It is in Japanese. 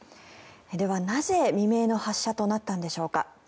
では、なぜ未明の発射となったんでしょうか。